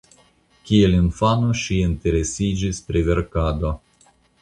Kiel infano ŝi interesiĝis pri verkado.